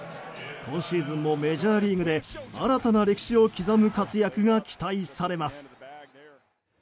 今シーズンもメジャーリーグで新たな歴史を刻む活躍が期待されます。